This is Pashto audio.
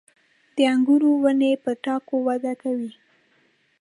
• د انګورو ونې په تاکو وده کوي.